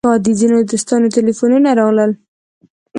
د ځینو دوستانو تیلفونونه راغلل.